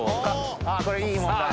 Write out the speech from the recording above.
これいい問題。